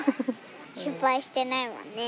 失敗してないもんね。